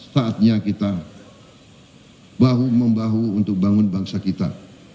saatnya kita bahu membahu untuk bangun bangsa kita